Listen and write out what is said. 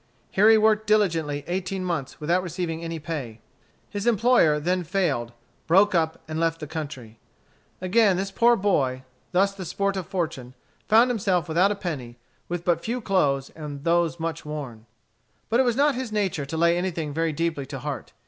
Here he worked diligently eighteen months without receiving any pay. His employer then failed, broke up, and left the country. Again this poor boy, thus the sport of fortune, found himself without a penny, with but few clothes, and those much worn. But it was not his nature to lay anything very deeply to heart.